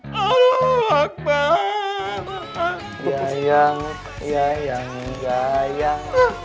nanti aku akan menekan tekan kau